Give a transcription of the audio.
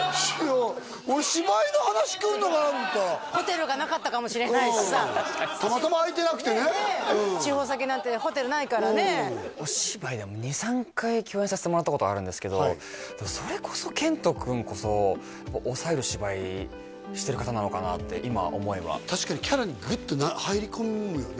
俺芝居の話来んのかなと思ったらホテルがなかったかもしれないしさたまたま空いてなくてね地方先なんてホテルないからねお芝居でも２３回共演させてもらったことがあるんですけどそれこそなのかなって今思えば確かにキャラにグッと入り込むよね